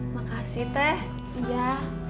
makasih teh iya